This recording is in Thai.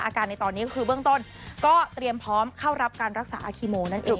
อาการในตอนนี้ก็คือเบื้องต้นก็เตรียมพร้อมเข้ารับการรักษาอาคีโมนั่นเอง